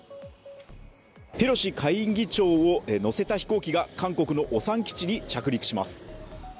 ペロシ下院議長を乗せた飛行機が韓国のオサン基地に着陸します。